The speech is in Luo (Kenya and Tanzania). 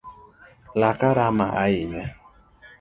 Laka rama ahinya